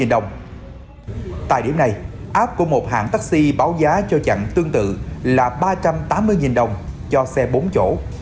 ba trăm tám mươi đồng tại điểm này app của một hãng taxi báo giá cho chặng tương tự là ba trăm tám mươi đồng cho xe bốn chỗ